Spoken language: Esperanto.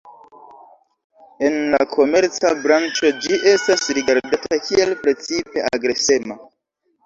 En la komerca branĉo ĝi estas rigardata kiel precipe agresema.